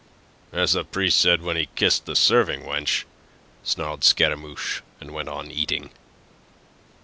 "As the priest said when he kissed the serving wench," snarled Scaramouche, and went on eating.